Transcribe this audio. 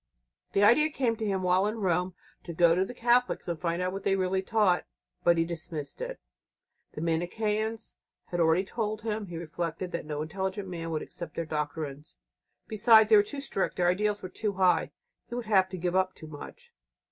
The idea came to him while in Rome to go to the Catholics and find out what they really taught. But he dismissed it. The Manicheans had already told him, he reflected, that no intelligent man could accept their doctrines. Besides, they were too strict; their ideals were too high; he would have to give up too much.